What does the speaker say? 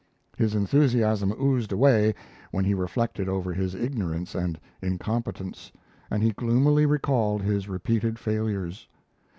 His enthusiasm oozed away when he reflected over his ignorance and incompetence; and he gloomily recalled his repeated failures.